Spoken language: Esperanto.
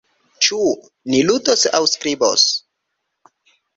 Ĉu ni ludos aŭ skribos?